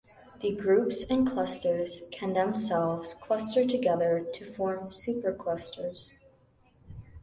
The groups and clusters can themselves cluster together to form superclusters.